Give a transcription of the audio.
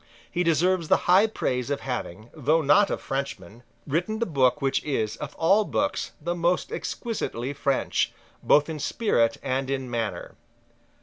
He deserves the high praise of having, though not a Frenchman, written the book which is, of all books, the most exquisitely French, both in spirit and in manner.